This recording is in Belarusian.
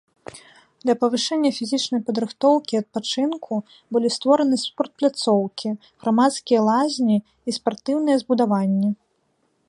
Для павышэння фізічнай падрыхтоўкі і адпачынку былі створаны спортпляцоўкі, грамадскія лазні і спартыўныя збудаванні.